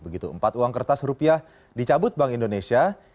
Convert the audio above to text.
begitu empat uang kertas rupiah dicabut bank indonesia